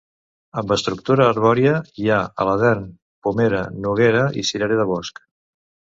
Amb estructura arbòria hi ha aladern, pomera, noguera i cirerer de bosc.